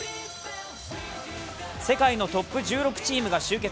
世界のトップ１６チームが集結。